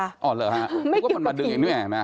อ๋อเหรอฮะไม่เก็บกับผี